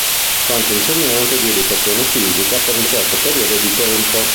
Fu anche insegnante di educazione fisica per un certo periodo di tempo.